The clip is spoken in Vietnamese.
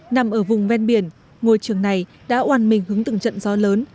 nằm ở vùng ven biển ngôi trường này đã oàn mình hướng từng trận gió lớn